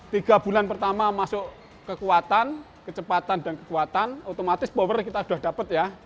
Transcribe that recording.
tiga bulan pertama masuk kekuatan kecepatan dan kekuatan otomatis power kita sudah dapat ya